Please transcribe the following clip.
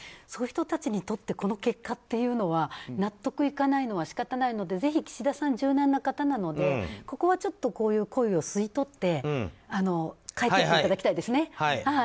そういう人たちにとってこの結果というのは納得いかないのは仕方ないのでぜひ岸田さん、柔軟な方なのでここはこういう声を吸い取っていただきたいですね。